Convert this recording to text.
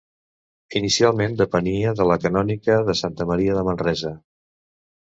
Inicialment depenia de la canònica de Santa Maria de Manresa.